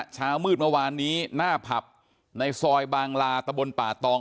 เช้ามืดเมื่อวานนี้หน้าผับในซอยบางลาตะบนป่าตอง